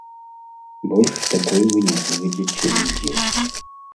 Больш такой вы не знойдзеце нідзе.